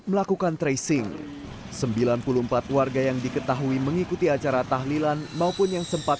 melakukan tracing sembilan puluh empat warga yang diketahui mengikuti acara tahlilan maupun yang sempat